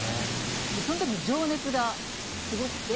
そのときの情熱がすごくて。